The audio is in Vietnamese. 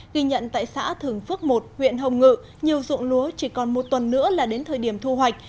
ghi nhận tại xã thường phước một huyện hồng ngự nhiều dụng lúa chỉ còn một tuần nữa là đến thời điểm thu hoạch